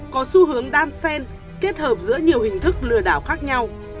có xu hướng đan sen kết hợp giữa nhiều hình thức lừa đảo khác nhau